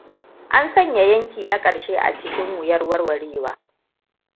An sanya yanki na ƙarshe a cikin wuyar warwarewa.